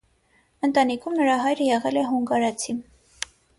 Ընտանիքում նրա հայրը եղել է հունգարացի։